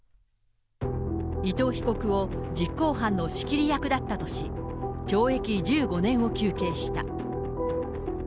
伊藤被告を実行犯の仕切り役だったとし、懲役１５年を求刑した。